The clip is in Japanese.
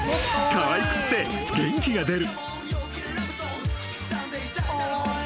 ［かわいくって元気が出る］